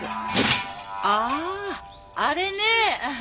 あああれね。